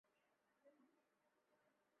乔治亚罗家族目前仍持有部份股权。